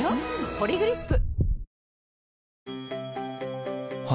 「ポリグリップ」